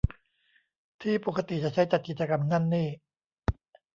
ที่ปกติจะใช้จัดกิจกรรมนั่นนี่